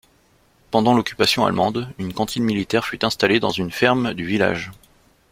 Pendant l'occupation allemande, une cantine militaire fut installée dans une ferme du village.